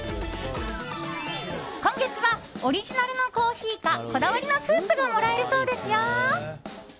今月は、オリジナルのコーヒーかこだわりのスープがもらえるそうですよ。